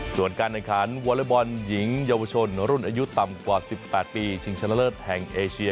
ส่วนการแข่งขันวอเล็กบอลหญิงเยาวชนรุ่นอายุต่ำกว่า๑๘ปีชิงชนะเลิศแห่งเอเชีย